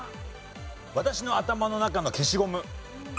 『私の頭の中の消しゴム』。